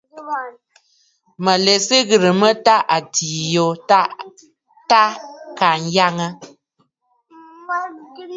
Mǝ̀ lɛ Sɨ ghirǝ mǝ tâ atiî yo tâ à Kanyaŋǝ.